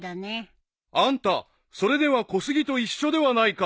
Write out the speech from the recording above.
［あんたそれでは小杉と一緒ではないか］